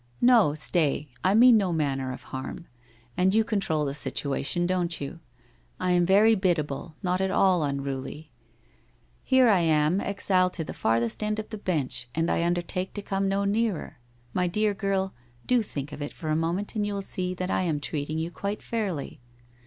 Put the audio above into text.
' No, stay. I mean no manner of harm. And you control the situation, don't you? I am very biddable — not at all unruly? Here am I, exiled to the farthest end of the bench, and I undertake to come no nearer. My dear girl, do think of it for a moment and you will see that I am treating you quite fairly.